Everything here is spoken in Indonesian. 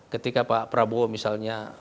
ketika pak prabowo misalnya